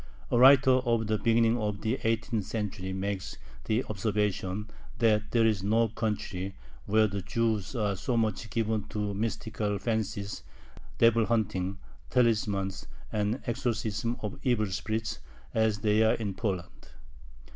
A writer of the beginning of the eighteenth century makes the observation, that "there is no country where the Jews are so much given to mystical fancies, devil hunting, talismans, and exorcism of evil spirits, as they are in Poland."